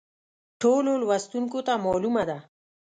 ټولو لوستونکو ته معلومه ده.